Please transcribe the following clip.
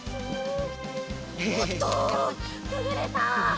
おっとくぐれた！